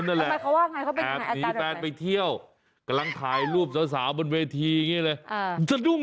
อร่างตรงอย่างนี้ตกใจเหมือนกัน